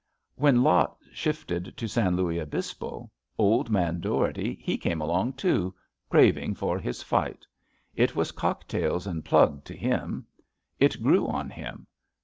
When Lot shifted to San Luis Obispo, old man Dougherty he came along too — craving for Ms fight. It was cocktails and plug to him. It grew on him.